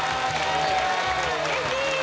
うれしい。